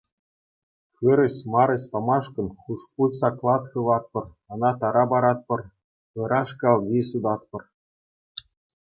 Хырӑҫ-марӑҫ памашкӑн хушпу саклат хыватпӑр, ӑна тара паратпӑр, ыраш калчи сутатпӑр.